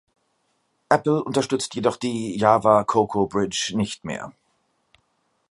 Apple unterstützt jedoch die Java-Cocoa Bridge nicht mehr.